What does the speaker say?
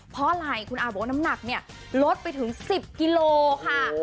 เพราะอะไรคุณอาบอกว่าน้ำหนักเนี่ยลดไปถึง๑๐กิโลค่ะ